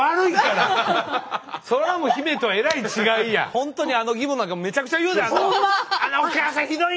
本当にあの義母なんかめちゃくちゃ言うであんなもん。